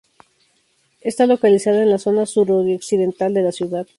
Está localizada en la zona suroccidental de la ciudad.